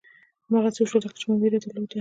هماغسې وشول لکه ما چې وېره درلوده.